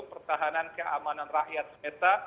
pertahanan keamanan rakyat semesta